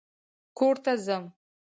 کور ته ځم